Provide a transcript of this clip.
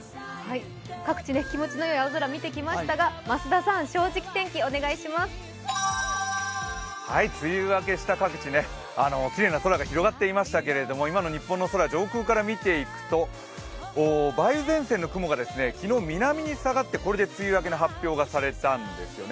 各地、気持ちのよい青空見てきましたが、増田さん、梅雨明けした各地、きれいな青空が見えていましたが今の日本の空を上空から見ていくと梅雨前線の雲が昨日、南に下がってこれで梅雨明けの発表がされたんですよね。